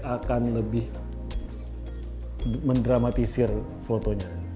akan lebih mendramatisir fotonya